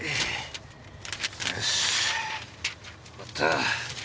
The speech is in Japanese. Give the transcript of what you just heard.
よし終わった！